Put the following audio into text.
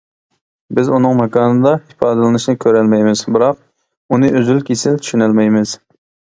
بىز ئۇنىڭ ماكاندا ئىپادىلىنىشىنى كۆرەلەيمىز، بىراق، ئۇنى ئۈزۈل-كېسىل چۈشىنەلمەيمىز.